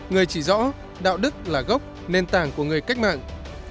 người chỉ rõ đạo đức là gốc nền tảng của người cách mạng